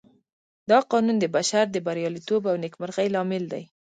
دا قانون د بشر د برياليتوب او نېکمرغۍ لامل دی.